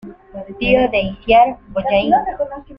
Tío de Icíar Bollaín.